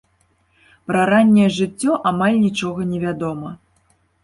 Пра ранняе жыццё амаль нічога невядома.